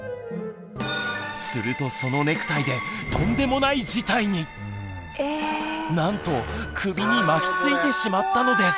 するとそのなんと首に巻きついてしまったのです。